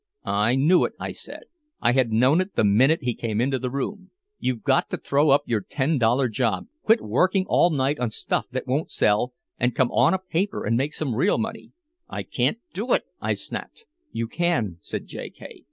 "I knew it," I said. I had known it the minute he came in the room. "You've got to throw up your ten dollar job, quit working all night on stuff that won't sell, and come on a paper and make some real money." "I can't do it," I snapped. "You can," said J.